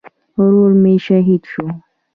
ورور مې شهید شو